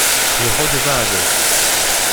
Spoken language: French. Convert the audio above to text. Il redevint aveugle.